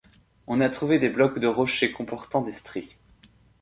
On a trouvé des blocs de rocher comportant des stries.